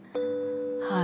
はい。